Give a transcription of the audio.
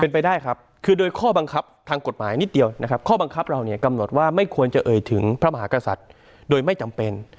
เป็นไปได้ครับคือโดยข้อบังคับทางกฎหมายนิดเดียวนะครับข้อบังคับเราเนี่ยกำหนดว่าไม่ควรจะเอ่ยถึงพระมหากษัตริย์โดยไม่จำเป็น